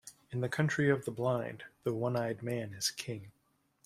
In the country of the blind, the one-eyed man is king.